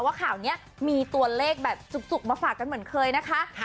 ว่าข่าวนี้มีตัวเลขแบบจุกมาฝากกันเหมือนเคยนะคะ